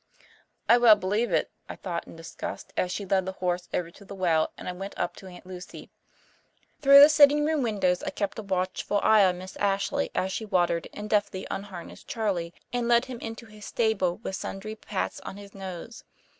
"I well believe it," I thought in disgust, as she led the horse over to the well and I went up to Aunt Lucy. Through the sitting room windows I kept a watchful eye on Miss Ashley as she watered and deftly unharnessed Charley and led him into his stable with sundry pats on his nose.